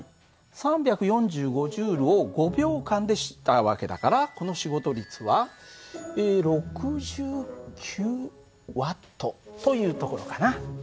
３４５Ｊを５秒間でした訳だからこの仕事率は６９Ｗというところかな。